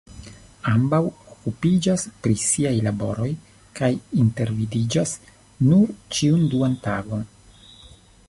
Ambaŭ okupiĝas pri siaj laboroj kaj intervidiĝas nur ĉiun duan tagon.